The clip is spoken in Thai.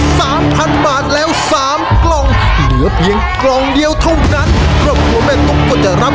กล่องโบนัสหมายเลขสามครับเกมต่อชีวิตมีราคาห้าพันบาทนะครับ